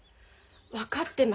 分かってます。